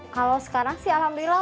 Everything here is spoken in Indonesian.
kalau sekarang sih alhamdulillah